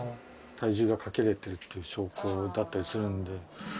体重がかけれているという証拠だったりするんで。